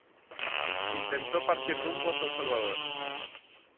Intentó partir rumbo a San Salvador.